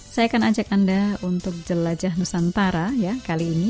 saya akan ajak anda untuk jelajah nusantara ya kali ini